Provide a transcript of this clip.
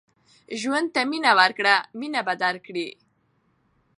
ژوند ته مینه ورکړه مینه به درکړي